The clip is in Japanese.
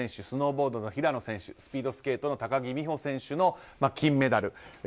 スノーボードの平野選手スピードスケートの高木美帆選手の金メダル。